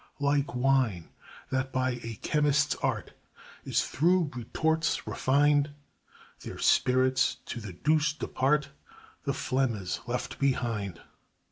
Like wine that by a chemist's art Is through retorts refined, Their spirits to the deuce depart, The phlegma's left behind.